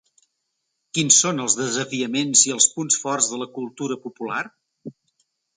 Quins són els desafiaments i els punts forts de la cultura popular?